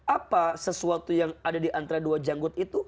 apa sesuatu yang ada di antara dua janggut itu